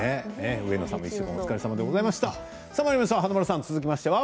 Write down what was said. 上野さんも１週間お疲れさまでした。